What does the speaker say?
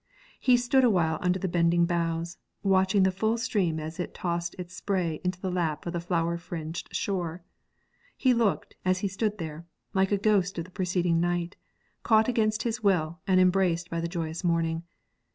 He stood awhile under the bending boughs, watching the full stream as it tossed its spray into the lap of the flower fringed shore. He looked, as he stood there, like a ghost of the preceding night, caught against his will and embraced by the joyous morning.